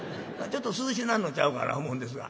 ちょっと涼しなんのんちゃうかな思うんですが。